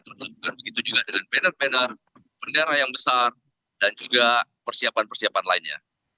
tentu begitu juga dengan banner banner bendera yang besar dan juga persiapan persiapan lainnya